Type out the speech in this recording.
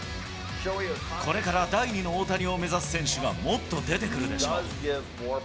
これから第二の大谷を目指す選手がもっと出てくるでしょう。